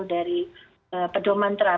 dari pedoman terapi